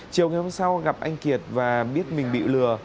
chiều ngày hôm sau gặp anh kiệt và biết mình bị lừa